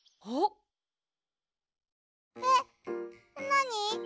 なに？